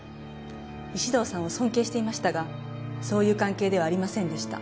石堂さんを尊敬していましたがそういう関係ではありませんでした。